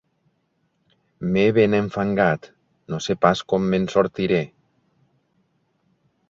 M'he ben enfangat; no sé pas com me'n sortiré.